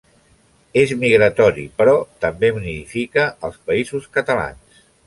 És migratori, però també nidifica als Països Catalans.